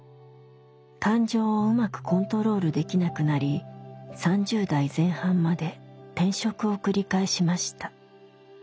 感情をうまくコントロールできなくなり３０代前半まで転職を繰り返しました。